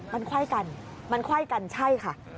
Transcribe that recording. มันค่อยกันมันค่อยกันใช่ค่ะ